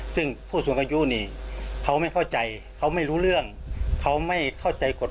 ซึ่งอายุมากแล้วถึง๘๖๐๐๐บาท